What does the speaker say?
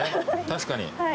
確かに。